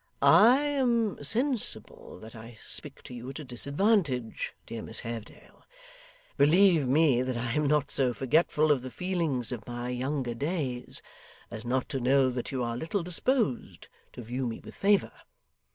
'I am sensible that I speak to you at a disadvantage, dear Miss Haredale. Believe me that I am not so forgetful of the feelings of my younger days as not to know that you are little disposed to view me with favour.